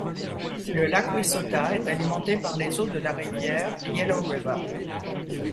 Le lac Wissota est alimenté par les eaux de la rivière Yellow River.